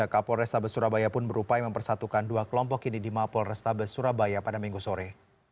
kapol restabes surabaya pun berupaya mempersatukan dua kelompok ini di mapol restabes surabaya pada minggu sore